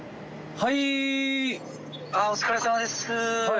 はい！